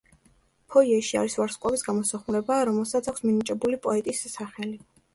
ფოიეში არის ვარსკვლავის გამოსახულება, რომელსაც აქვს მინიჭებული პოეტის სახელი.